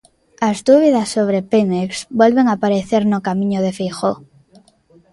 As dúbidas sobre Pemex volven aparecer no camiño de Feijóo.